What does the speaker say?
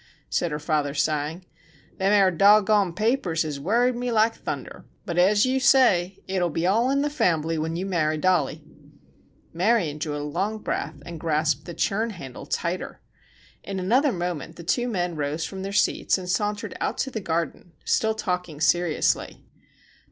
said her father, sighing. "Them air dog goned papers hez worried me like thunder, but ez yew say, it'll be all in the fambly when yew marry Dollie." Marion drew a long breath and grasped the churn handle tighter. In another moment the two men rose from their seats and sauntered out to the garden, still talking seriously.